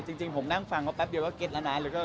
จริงผมนั่งฟังเขาแป๊บเดียวก็เก็ตแล้วนะ